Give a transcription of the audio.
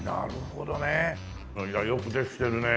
いやよくできてるね。